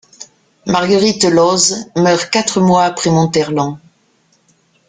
Marguerite Lauze meurt quatre mois après Montherlant.